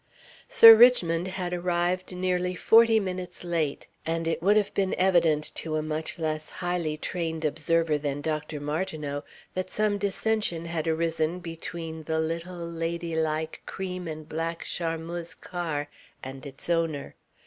Sir Richmond had arrived nearly forty minutes late, and it would have been evident to a much less highly trained observer than Dr. Martineau that some dissension had arisen between the little, ladylike, cream and black Charmeuse car and its owner.